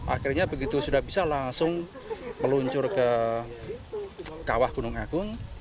akhirnya begitu sudah bisa langsung meluncur ke kawah gunung agung